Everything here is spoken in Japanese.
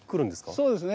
そうですね。